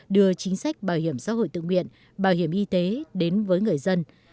đưa chính sách bảo hiểm xã hội tự nguyện bảo hiểm y tế đến với người dân